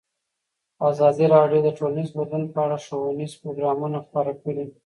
ازادي راډیو د ټولنیز بدلون په اړه ښوونیز پروګرامونه خپاره کړي.